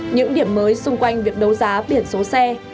những điểm mới xung quanh việc đấu giá biển số xe